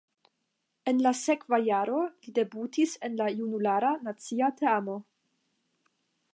En la sekva jaro li debutis en la junulara nacia teamo.